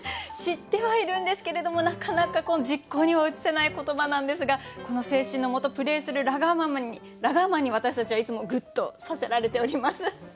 知ってはいるんですけれどもなかなか実行には移せない言葉なんですがこの精神のもとプレーするラガーマンに私たちはいつもぐっとさせられております。